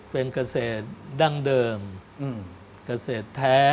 เป็นเกษตรดั้งเดิมเกษตรแท้